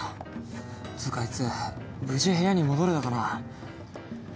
つうかあいつ無事部屋に戻れたかな？